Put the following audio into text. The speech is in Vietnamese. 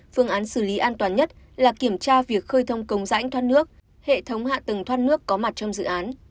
phương án xử lý an toàn nhất là kiểm tra việc khơi thông công rãnh thoát nước hệ thống hạ tầng thoát nước có mặt trong dự án